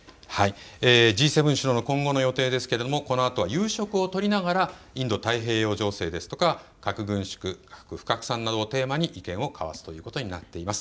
Ｇ７首脳の今後の予定ですけれどもこのあとは夕食をとりながらインド太平洋情勢ですとか核軍縮・核不拡散などをテーマに意見を交わすということになっています。